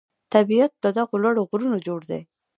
طبیعت له دغو لوړو غرونو جوړ دی.